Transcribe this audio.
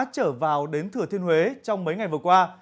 trở vào đến thừa thiên huế trong mấy ngày vừa qua